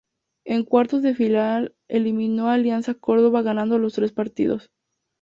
En cuartos de final, eliminó a Alianza Córdoba ganando los tres partidos.